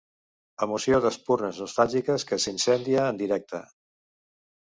Emoció d’espurnes nostàlgiques que s’incendia en directe.